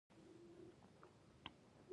هوښیار خلک د نورو بریاوو نه خوشحالېږي.